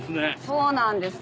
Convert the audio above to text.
そうなんです。